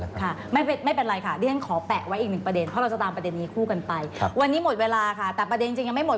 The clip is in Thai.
อ๋อครับก็ไม่เชิงว่าเป็นการป้ายสีแต่ส่วนของผู้ตรวจสอบเขาได้จริงเนี่ย